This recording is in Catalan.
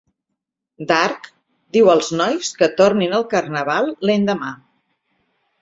Dark diu als nois que tornin al carnaval l'endemà.